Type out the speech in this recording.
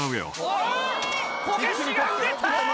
こけしが売れた！